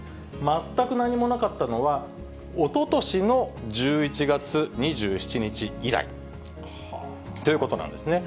全く何もなかったのは、おととしの１１月２７日以来ということなんですね。